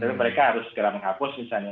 jadi mereka harus segera menghapus misalnya